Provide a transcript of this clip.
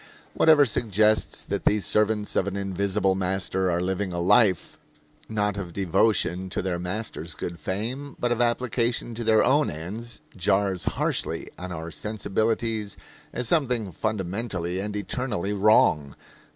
Whatever suggests that these servants of an invisible master are living a life, not of devotion to their master's good fame, but of application to their own ends, jars harshly on our sensibilities as something fundamentally and eternally wrong.